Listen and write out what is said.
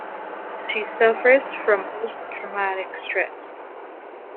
She suffers from post-traumatic stress.